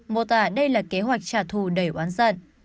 mô tả đây là kế hoạch trả thù đầy oán giận